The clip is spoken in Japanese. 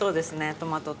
トマトと。